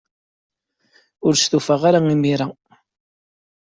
Ur stufaɣ ara imir-a.